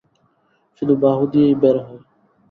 শুধু বাহু দিয়েই বের হয়।